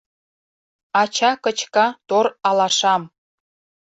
Ача кычка тор алашам.